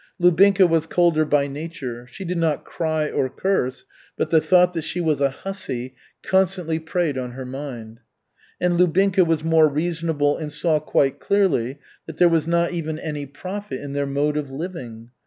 Lubinka was colder by nature. She did not cry or curse, but the thought that she was a "hussy" constantly preyed on her mind. And Lubinka was more reasonable and saw quite clearly that there was not even any profit in their mode of living.